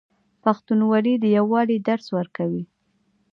پښتونولي د یووالي درس ورکوي.